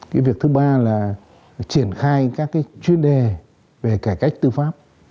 cái việc thứ ba là triển khai các cái chuyên đề về cải cách tư pháp